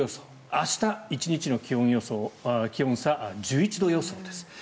明日、１日の気温差１１度予想です。